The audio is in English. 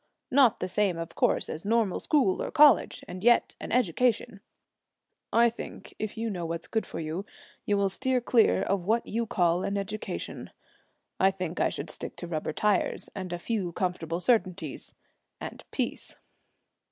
Not the same, of course, as normal school or college, and yet an education.' 'I think, if you know what's good for you, you will steer clear of what you call an education. I think I should stick to rubber tires, and a few comfortable certainties and peace.'